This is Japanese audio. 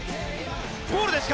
ゴールですか？